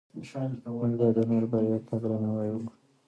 موږ باید د نورو بریا ته درناوی وکړو